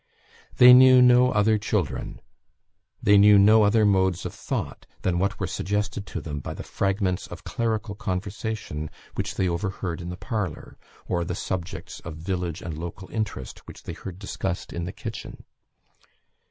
They knew no other children. They knew no other modes of thought than what were suggested to them by the fragments of clerical conversation which they overheard in the parlour, or the subjects of village and local interest which they heard discussed in the kitchen.